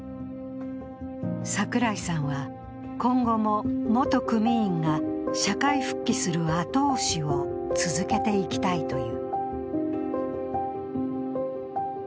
櫻井さんは今後も元組員が社会復帰する後押しを続けていきたいという。